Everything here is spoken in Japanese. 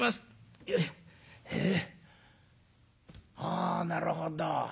あなるほど。